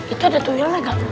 itu ada tuyulnya nggak